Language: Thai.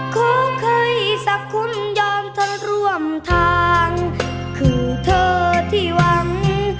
ขอให้สักคุณยอมเธอร่วมทางคือเธอที่หวัง